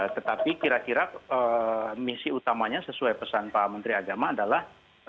tetapi kira kira misi utamanya sesuai pesan pak menteri agama adalah